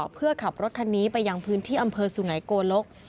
เพื่อขับรถคันนี้ไปยังพื้นที่อำเภอสุไงโกลก